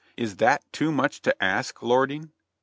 Is that too much to ask, lording?"